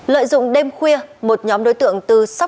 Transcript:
lợi dụng đêm khuya một nhóm đối tượng từ sóc trăng qua sài gòn